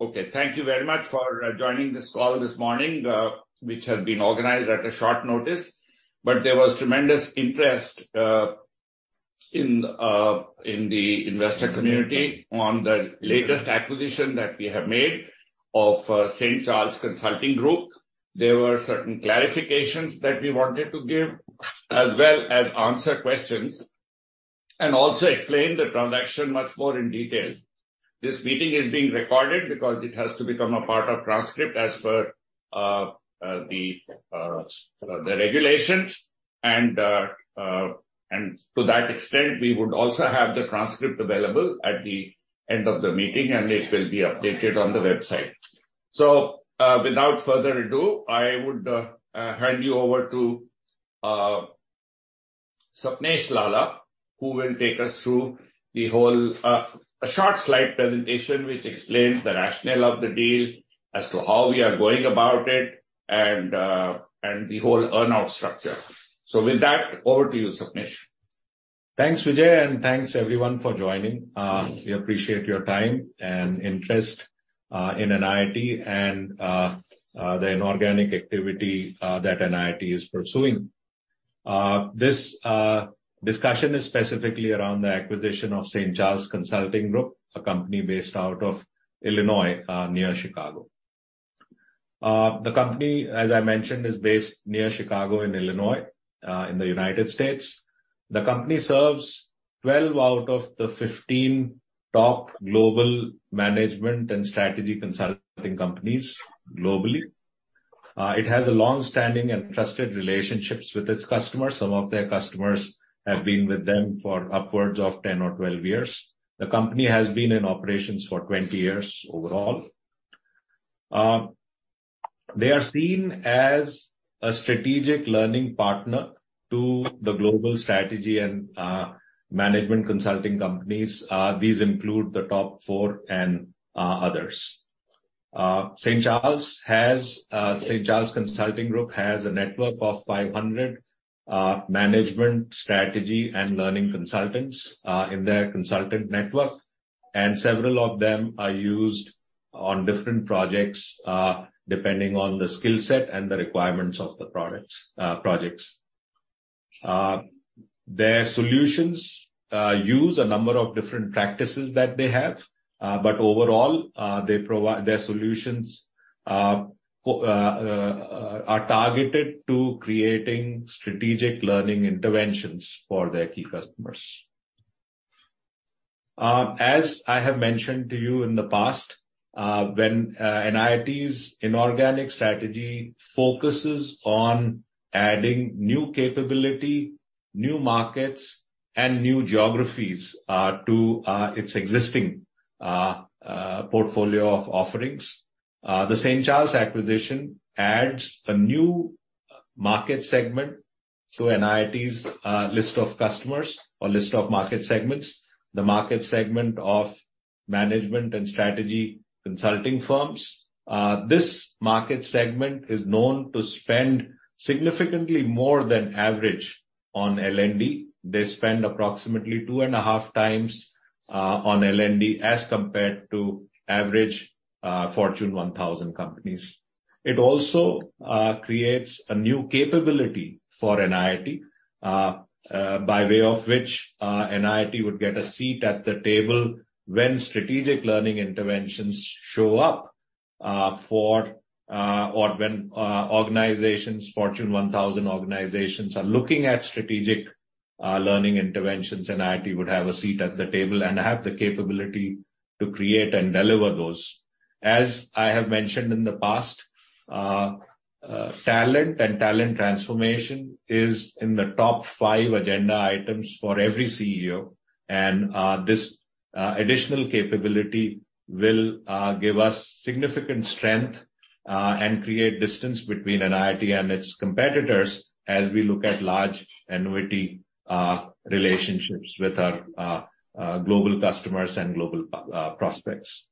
Okay. Thank you very much for joining this call this morning, which has been organized at a short notice. There was tremendous interest in the investor community on the latest acquisition that we have made of St. Charles Consulting Group. There were certain clarifications that we wanted to give, as well as answer questions, and also explain the transaction much more in detail. This meeting is being recorded because it has to become a part of transcript as per the regulations and to that extent, we would also have the transcript available at the end of the meeting, and it will be updated on the website. Without further ado, I would hand you over to Sapnesh Lalla, who will take us through the whole. A short slide presentation which explains the rationale of the deal as to how we are going about it and the whole earn-out structure. With that, over to you, Sapnesh. Thanks, Vijay, and thanks everyone for joining. We appreciate your time and interest in NIIT and the inorganic activity that NIIT is pursuing. This discussion is specifically around the acquisition of St. Charles Consulting Group, a company based out of Illinois near Chicago. The company, as I mentioned, is based near Chicago in Illinois in the United States. The company serves 12 out of the 15 top global management and strategy consulting companies globally. It has longstanding and trusted relationships with its customers. Some of their customers have been with them for upwards of 10 or 12 years. The company has been in operations for 20 years overall. They are seen as a strategic learning partner to the global strategy and management consulting companies. These include the top four and others. St. Charles Consulting Group has a network of 500 management strategy and learning consultants in their consultant network, and several of them are used on different projects depending on the skill set and the requirements of the projects. Their solutions use a number of different practices that they have, but overall, their solutions are targeted to creating strategic learning interventions for their key customers. As I have mentioned to you in the past, when NIIT's inorganic strategy focuses on adding new capability, new markets and new geographies to its existing portfolio of offerings. The St. Charles acquisition adds a new market segment to NIIT's list of customers or list of market segments, the market segment of management and strategy consulting firms. This market segment is known to spend significantly more than average on L&D. They spend approximately 2.5 times on L&D as compared to average Fortune 1000 companies. It also creates a new capability for NIIT by way of which NIIT would get a seat at the table when strategic learning interventions show up, or when organizations, Fortune 1000 organizations, are looking at strategic learning interventions, NIIT would have a seat at the table and have the capability to create and deliver those. As I have mentioned in the past, talent transformation is in the top five agenda items for every CEO. This additional capability will give us significant strength and create distance between NIIT and its competitors as we look at large annuity relationships with our global customers and global prospects.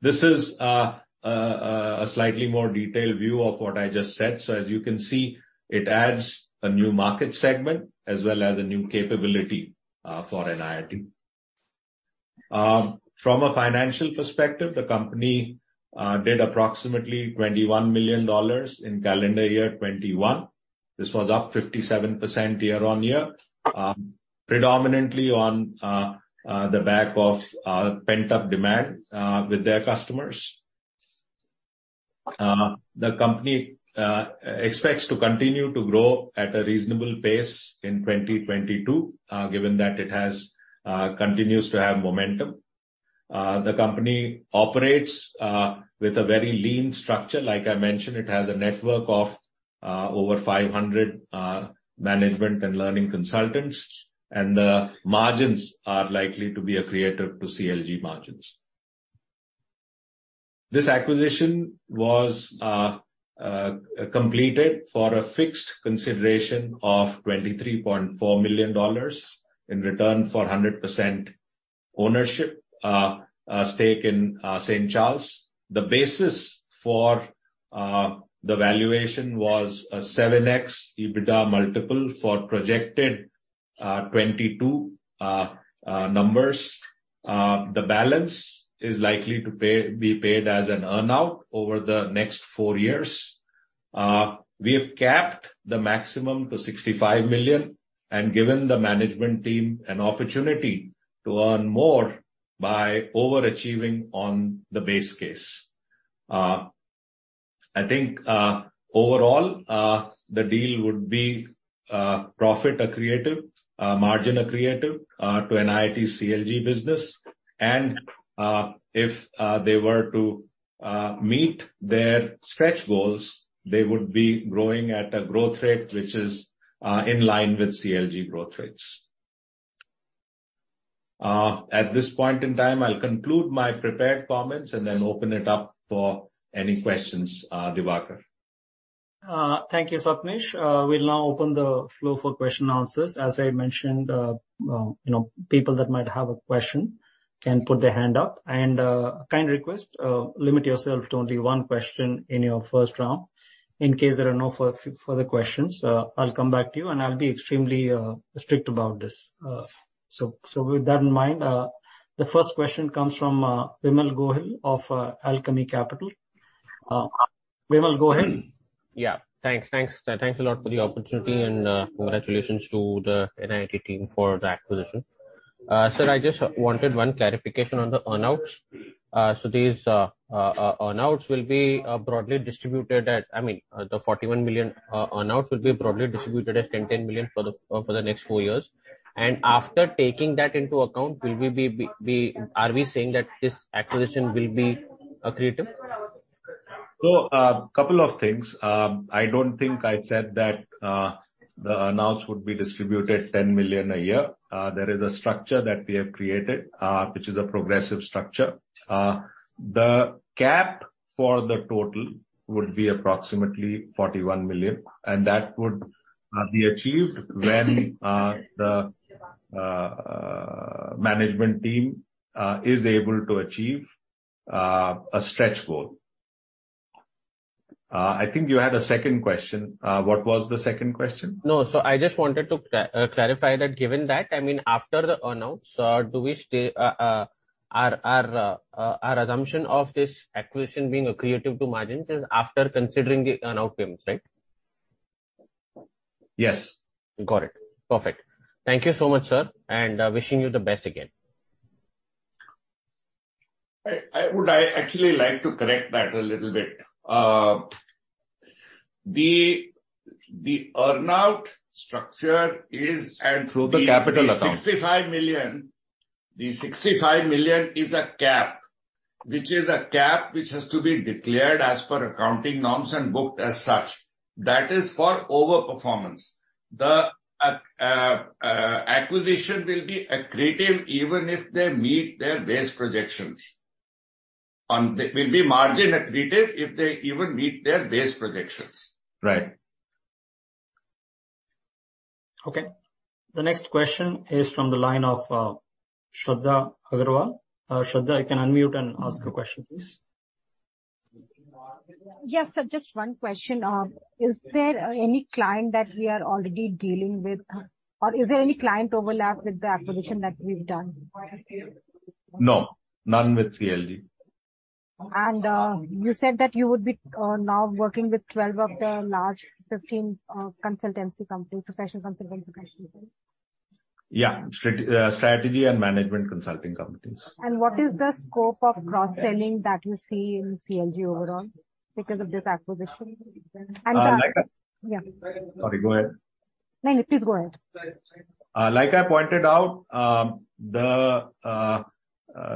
This is a slightly more detailed view of what I just said. As you can see, it adds a new market segment as well as a new capability for NIIT. From a financial perspective, the company did approximately $21 million in calendar year 2021. This was up 57% year-on-year, predominantly on the back of pent-up demand with their customers. The company expects to continue to grow at a reasonable pace in 2022, given that it continues to have momentum. The company operates with a very lean structure. Like I mentioned, it has a network of over 500 management and learning consultants, and the margins are likely to be accretive to CLG margins. This acquisition was completed for a fixed consideration of $23.4 million in return for 100% ownership stake in St. Charles. The valuation was a 7x EBITDA multiple for projected 2022 numbers. The balance is likely to be paid as an earn-out over the next four years. We have capped the maximum to $65 million and given the management team an opportunity to earn more by overachieving on the base case. I think overall the deal would be profit accretive, margin accretive to an NIIT CLG business and if they were to meet their stretch goals, they would be growing at a growth rate which is in line with CLG growth rates. At this point in time, I'll conclude my prepared comments and then open it up for any questions, Diwakar. Thank you, Sapnesh. We'll now open the floor for questions and answers. As I mentioned, people that might have a question can put their hand up. A kind request, limit yourself to only one question in your first round. In case there are no further questions, I'll come back to you, and I'll be extremely strict about this. So with that in mind, the first question comes from Vimal Gohil of Alchemy Capital. Vimal Gohil? Yeah. Thanks. Thanks a lot for the opportunity and, congratulations to the NIIT team for the acquisition. Sir, I just wanted one clarification on the earn-outs. So these earn-outs will be broadly distributed at, I mean, the 41 million earn-out will be broadly distributed as 10 million for the next four years. After taking that into account, are we saying that this acquisition will be accretive? A couple of things. I don't think I said that the earn-outs would be distributed 10 million a year. There is a structure that we have created, which is a progressive structure. The cap for the total would be approximately 41 million, and that would be achieved when the management team is able to achieve a stretch goal. I think you had a second question. What was the second question? No. I just wanted to clarify that given that, I mean, after the earn-outs, do we stay our assumption of this acquisition being accretive to margins is after considering the earn-out payments, right? Yes. Got it. Perfect. Thank you so much, sir, and wishing you the best again. I would actually like to correct that a little bit. The earn-out structure is at- Through the capital account. 65 million. 65 million is a cap, which is a cap which has to be declared as per accounting norms and booked as such. That is for overperformance. The acquisition will be accretive even if they meet their base projections. They will be margin accretive if they even meet their base projections. Right. Okay. The next question is from the line of Shraddha Aggarwal. Shraddha, you can unmute and ask your question, please. Yes, sir. Just one question. Is there any client that we are already dealing with, or is there any client overlap with the acquisition that we've done? No, none with CLG. You said that you would be now working with 12 of the large 15 consultancy companies, professional consultancy companies. Yeah. Strategy and management consulting companies. What is the scope of cross-selling that you see in CLG overall because of this acquisition? Like. Yeah. Sorry, go ahead. No, no, please go ahead. Like I pointed out, the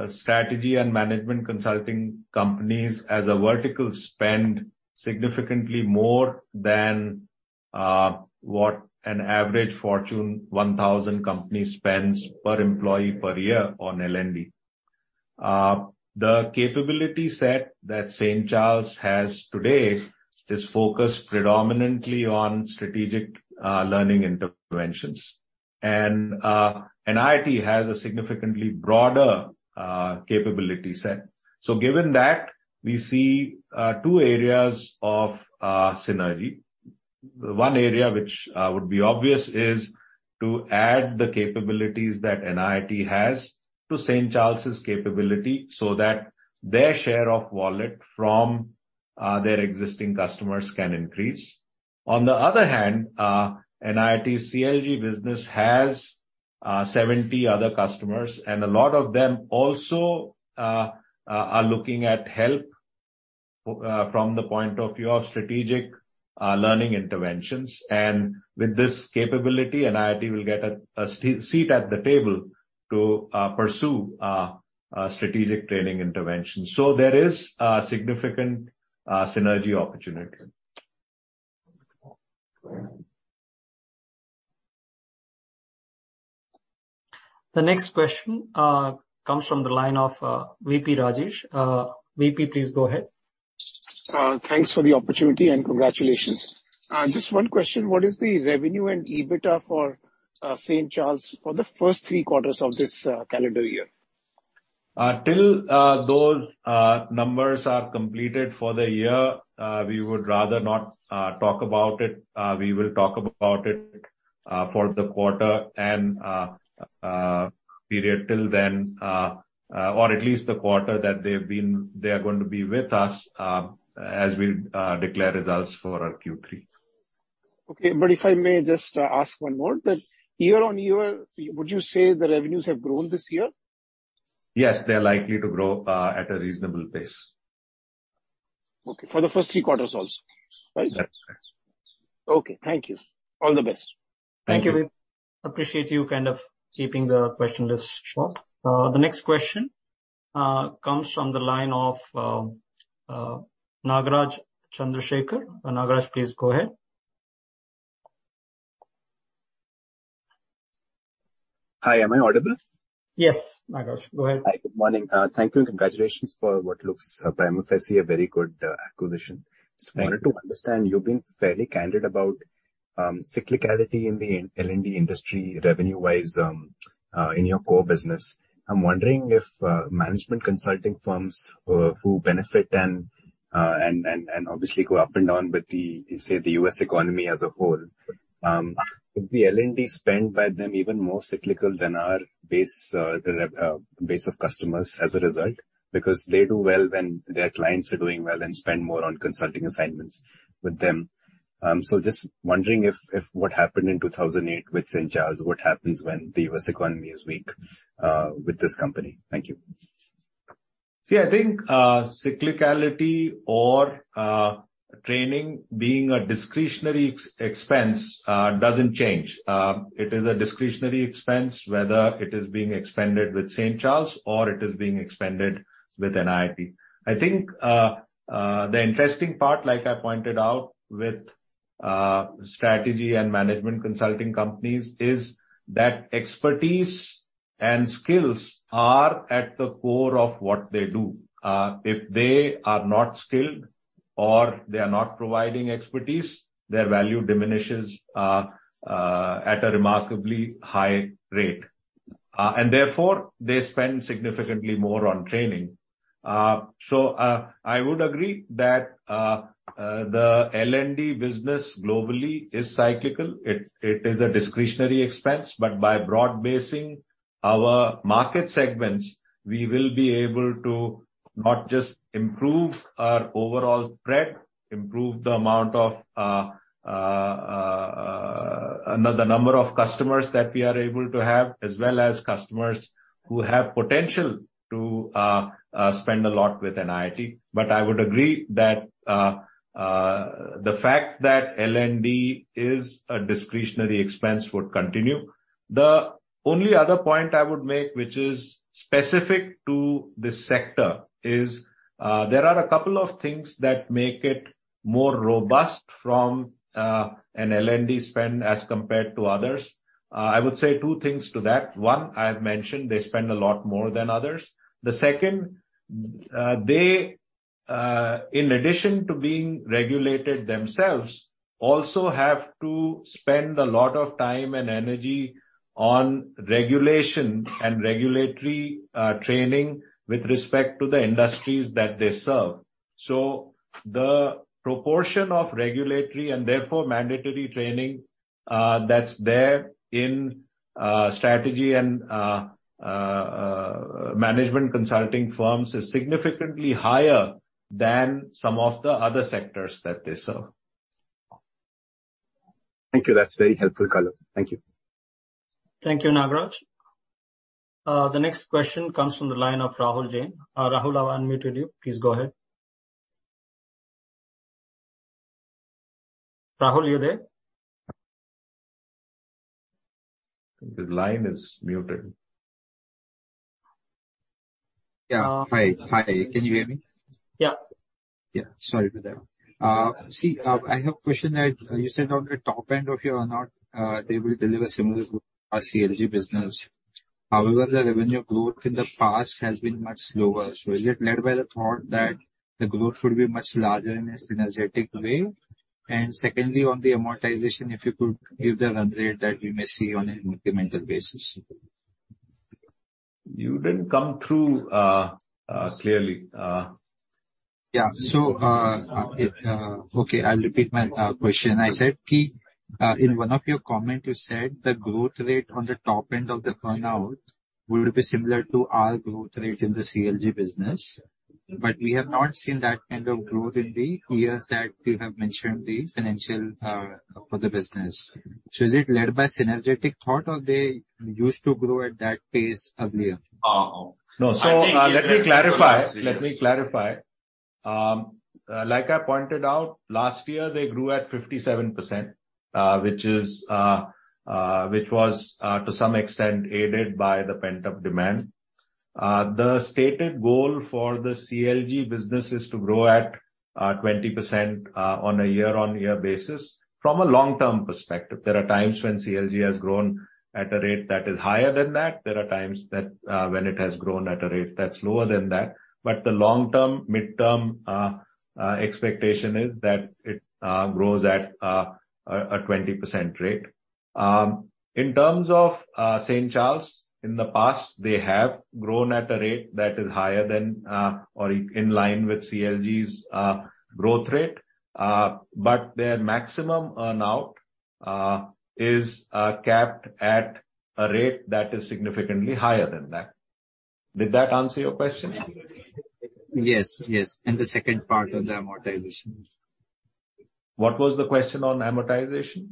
strategy and management consulting companies as a vertical spend significantly more than what an average Fortune 1000 company spends per employee per year on L&D. The capability set that St. Charles has today is focused predominantly on strategic learning interventions. NIIT has a significantly broader capability set. Given that, we see two areas of synergy. One area which would be obvious is to add the capabilities that NIIT has to St. Charles' capability so that their share of wallet from their existing customers can increase. On the other hand, NIIT CLG business has 70 other customers, and a lot of them also are looking at help from the point of view of strategic learning interventions. With this capability, NIIT will get a seat at the table to pursue strategic training interventions. There is a significant synergy opportunity. The next question comes from the line of V.P. Rajesh. V.P., please go ahead. Thanks for the opportunity and congratulations. Just one question. What is the revenue and EBITDA for St. Charles for the first three quarters of this calendar year? Till those numbers are completed for the year, we would rather not talk about it. We will talk about it for the quarter and period till then, or at least the quarter that they are going to be with us, as we declare results for our Q3. Okay. If I may just ask one more. That year-on-year, would you say the revenues have grown this year? Yes. They are likely to grow at a reasonable pace. Okay. For the first three quarters also, right? That's right. Okay. Thank you. All the best. Thank you. Thank you, V.P. Appreciate you kind of keeping the question list short. The next question comes from the line of Nagraj Chandrasekar. Nagraj, please go ahead. Hi, am I audible? Yes, Nagraj, go ahead. Hi. Good morning. Thank you, and congratulations for what looks prima facie a very good acquisition. Thank you. Just wanted to understand. You've been fairly candid about cyclicality in the L&D industry revenue-wise in your core business. I'm wondering if management consulting firms who benefit and obviously go up and down with, say, the U.S. economy as a whole would the L&D spend by them even more cyclical than our base, the rep base of customers as a result. Because they do well when their clients are doing well and spend more on consulting assignments with them. Just wondering if what happened in 2008 with St. Charles what happens when the U.S. economy is weak with this company. Thank you. See, I think cyclicality or training being a discretionary expense doesn't change. It is a discretionary expense, whether it is being expended with St. Charles or it is being expended with an NIIT. I think the interesting part, like I pointed out with strategy and management consulting companies, is that expertise and skills are at the core of what they do. If they are not skilled or they are not providing expertise, their value diminishes at a remarkably high rate. Therefore, they spend significantly more on training. I would agree that the L&D business globally is cyclical. It is a discretionary expense. By broad basing our market segments, we will be able to not just improve our overall spread, improve the number of customers that we are able to have, as well as customers who have potential to spend a lot with NIIT. I would agree that the fact that L&D is a discretionary expense would continue. The only other point I would make, which is specific to this sector, is there are a couple of things that make it more robust from an L&D spend as compared to others. I would say two things to that. One, I have mentioned they spend a lot more than others. They, in addition to being regulated themselves, also have to spend a lot of time and energy on regulation and regulatory training with respect to the industries that they serve. The proportion of regulatory and therefore mandatory training that's there in strategy and management consulting firms is significantly higher than some of the other sectors that they serve. Thank you. That's very helpful color. Thank you. Thank you, Nagraj. The next question comes from the line of Rahul Jain. Rahul, I've unmuted you. Please go ahead. Rahul, you there? The line is muted. Yeah. Hi. Hi. Can you hear me? Yeah. Yeah. Sorry for that. See, I have a question that you said on the top end of year or not, they will deliver similar to our CLG business. However, the revenue growth in the past has been much slower. Is it led by the thought that the growth will be much larger in a synergistic way? And secondly, on the amortization, if you could give the run rate that we may see on an incremental basis. You didn't come through clearly. Okay, I'll repeat my question. I said, in one of your comment you said the growth rate on the top end of the earn-out would be similar to our growth rate in the CLG business. We have not seen that kind of growth in the years that you have mentioned the financials for the business. Is it led by synergistic growth or they used to grow at that pace earlier? Oh. No. Let me clarify. Like I pointed out, last year they grew at 57%, which was to some extent aided by the pent-up demand. The stated goal for the CLG business is to grow at 20% on a year-on-year basis from a long-term perspective. There are times when CLG has grown at a rate that is higher than that. There are times when it has grown at a rate that's lower than that. The long-term, mid-term expectation is that it grows at a 20% rate. In terms of St. Charles, in the past, they have grown at a rate that is higher than or in line with CLG's growth rate. Their maximum earn-out is capped at a rate that is significantly higher than that. Did that answer your question? Yes. Yes. The second part of the amortization. What was the question on amortization?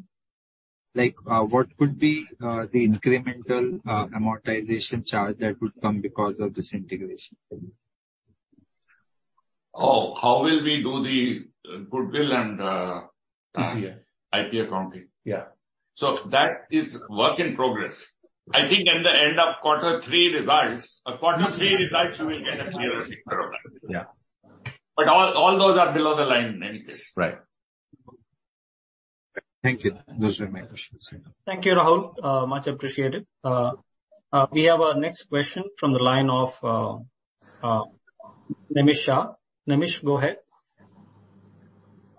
Like, what would be the incremental amortization charge that would come because of this integration? Oh, how will we do the goodwill and. Yes. IP accounting. Yeah. That is work in progress. I think in the end of quarter three results, or quarter three results you will get a clearer picture of that. Yeah. All those are below the line in any case. Right. Thank you. Those were my questions. Thank you, Rahul. Much appreciated. We have our next question from the line of Nimish Shah. Nimish, go ahead.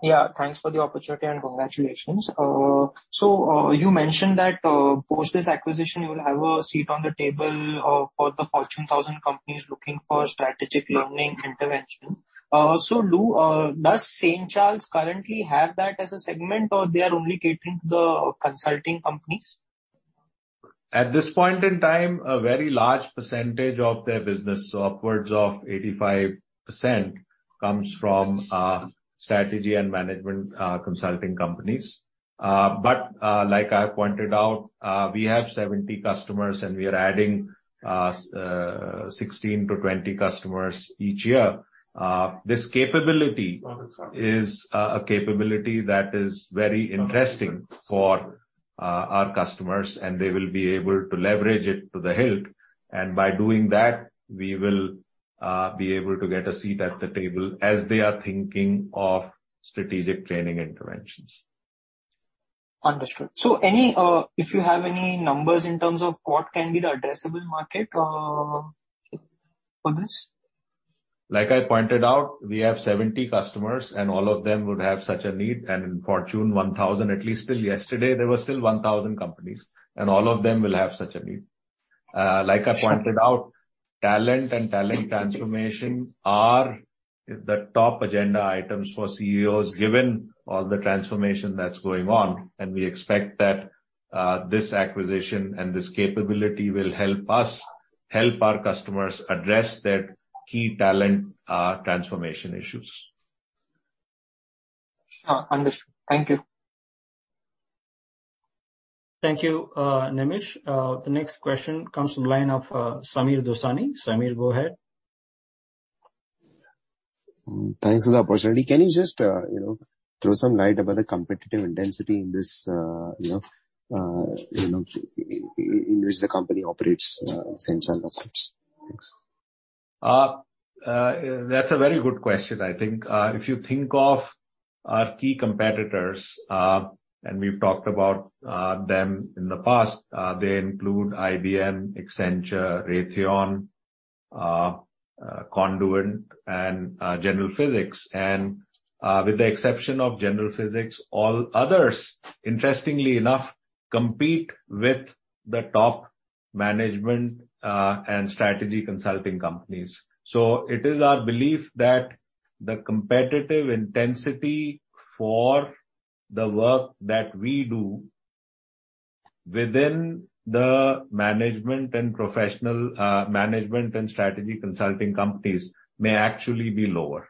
Yeah. Thanks for the opportunity and congratulations. You mentioned that post this acquisition you will have a seat on the table for the Fortune 1000 companies looking for strategic learning intervention. Does St. Charles currently have that as a segment or they are only catering to the consulting companies? At this point in time, a very large percentage of their business, so upwards of 85%, comes from strategy and management consulting companies. Like I pointed out, we have 70 customers and we are adding 16-20 customers each year. This capability is a capability that is very interesting for our customers, and they will be able to leverage it to the hilt. By doing that, we will be able to get a seat at the table as they are thinking of strategic training interventions. Understood. Any if you have any numbers in terms of what can be the addressable market for this? Like I pointed out, we have 70 customers and all of them would have such a need. In Fortune 1000 at least till yesterday there were still 1,000 companies, and all of them will have such a need. Like I pointed out, talent and talent transformation are the top agenda items for CEOs given all the transformation that's going on. We expect that this acquisition and this capability will help us help our customers address their key talent transformation issues. Understood. Thank you. Thank you, Nimish. The next question comes from line of Sameer Dosani. Sameer, go ahead. Thanks for the opportunity. Can you just, you know, throw some light about the competitive intensity in this, you know, you know, in which the company operates St. Charles? Thanks. That's a very good question. I think, if you think of our key competitors, and we've talked about them in the past, they include IBM, Accenture, Raytheon, Conduent and General Physics. With the exception of General Physics, all others, interestingly enough, compete with the top management and strategy consulting companies. It is our belief that the competitive intensity for the work that we do within the management and professional management and strategy consulting companies may actually be lower.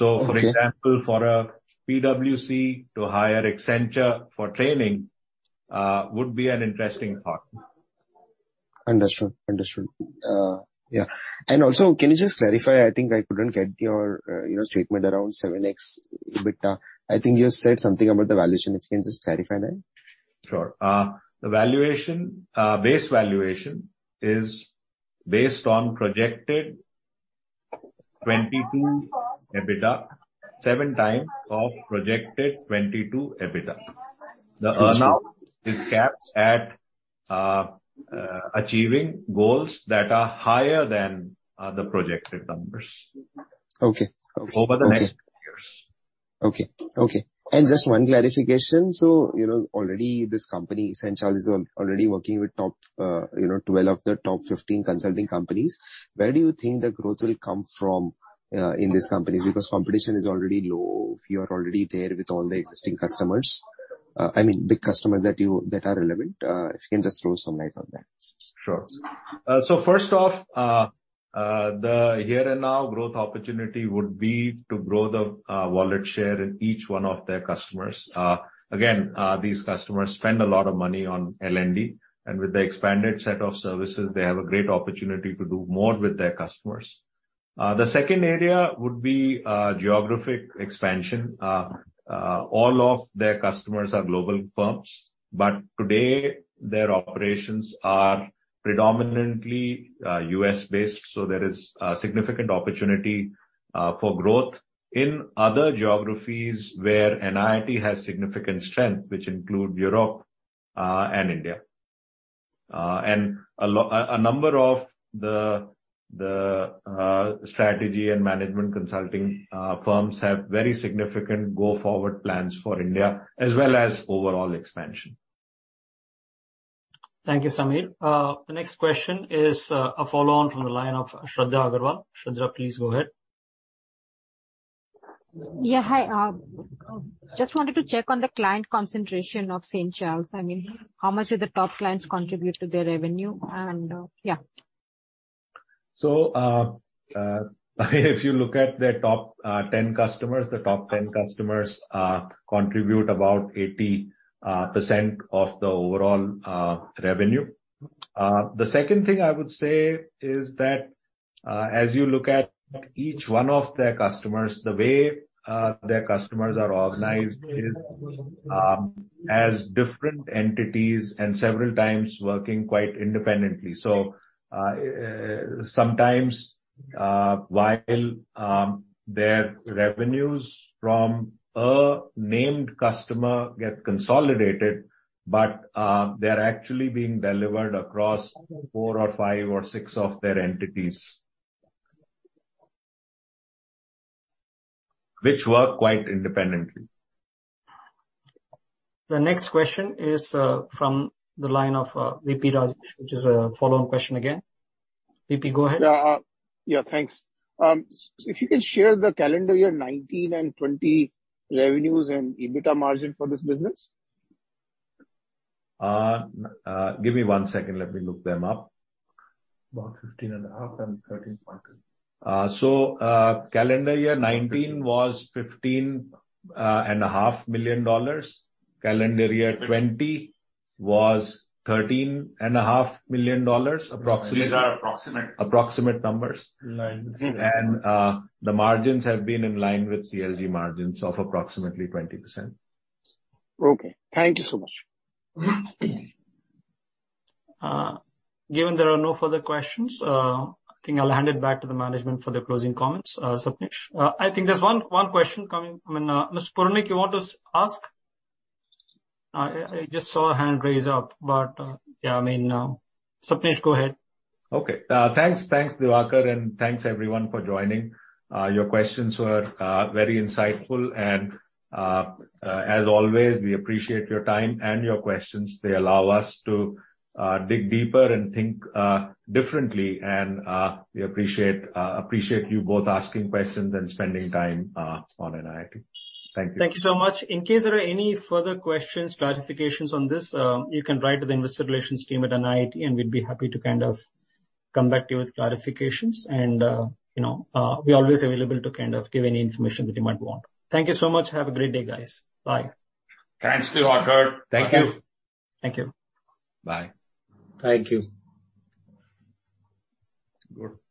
Okay. For example, for a PwC to hire Accenture for training, would be an interesting thought. Understood. Yeah. Also, can you just clarify? I think I couldn't get your, you know, statement around 7x EBITDA. I think you said something about the valuation. If you can just clarify that. Sure. The valuation, base valuation is based on projected 2022 EBITDA, 7x projected 2022 EBITDA. The earn-out is capped at achieving goals that are higher than the projected numbers. Okay. Okay. Over the next few years. Okay. Just one clarification. You know, already this company, St. Charles, is already working with top 12 of the top 15 consulting companies. Where do you think the growth will come from in these companies? Because competition is already low if you are already there with all the existing customers, I mean big customers that are relevant. If you can just throw some light on that. Sure. So first off, the here and now growth opportunity would be to grow the wallet share in each one of their customers. Again, these customers spend a lot of money on L&D, and with the expanded set of services, they have a great opportunity to do more with their customers. The second area would be geographic expansion. All of their customers are global firms, but today their operations are predominantly U.S. based, so there is significant opportunity for growth in other geographies where NIIT has significant strength, which include Europe and India. A number of the strategy and management consulting firms have very significant go forward plans for India as well as overall expansion. Thank you, Sameer. The next question is, a follow-on from the line of Shraddha Aggarwal. Shraddha, please go ahead. Yeah, hi. Just wanted to check on the client concentration of St. Charles. I mean, how much do the top clients contribute to their revenue? Yeah. If you look at their top 10 customers, they contribute about 80% of the overall revenue. The second thing I would say is that as you look at each one of their customers, the way their customers are organized is as different entities and several times working quite independently. Sometimes while their revenues from a named customer get consolidated, but they're actually being delivered across four or five or six of their entities, which work quite independently. The next question is from the line of V.P. Rajesh, which is a follow-on question again. V.P., go ahead. If you can share the calendar year 2019 and 2020 revenues and EBITDA margin for this business. Give me one second. Let me look them up. About $15.5 and $13.2. Calendar year 2019 was $15.5 million. Calendar year 2020 was $13.5 million, approximately. These are approximate. Approximate numbers. Line. The margins have been in line with CLG margins of approximately 20%. Okay. Thank you so much. Given there are no further questions, I think I'll hand it back to the management for the closing comments. Sapnesh? I think there's one question coming from Miss Puranik. You want to ask? I just saw a hand raise up, but yeah, I mean, Sapnesh, go ahead. Okay. Thanks, Diwakar, and thanks, everyone, for joining. Your questions were very insightful and, as always, we appreciate your time and your questions. They allow us to dig deeper and think differently. We appreciate you both asking questions and spending time on NIIT. Thank you. Thank you so much. In case there are any further questions, clarifications on this, you can write to the investor relations team at NIIT, and we'd be happy to kind of come back to you with clarifications and, you know, we're always available to kind of give any information that you might want. Thank you so much. Have a great day, guys. Bye. Thanks, Diwakar. Thank you. Thank you. Bye. Thank you. Good.